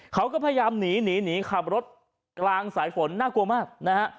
เขาก็พยายามหนีหนีขับรถกลางสายฝนน่ากลัวมากนะฮะ